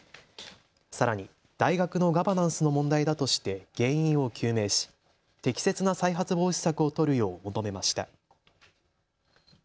さらに大学のガバナンスの問題だとして原因を究明し適切な再発防止策を取るよう求めました。